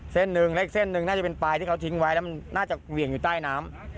เส้นหนึ่งและอีกเส้นหนึ่งน่าจะเป็นปลายที่เขาทิ้งไว้แล้วมันน่าจะเหวี่ยงอยู่ใต้น้ำ